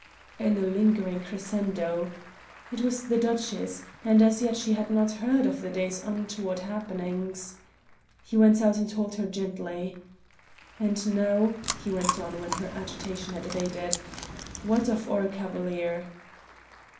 in a lingering crescendo: it was the Duchess, and as yet she had not heard of the day's untoward happenings. He went out and told her gently. "And now," he went on when her agitation had abated, "what of our Chevalier?"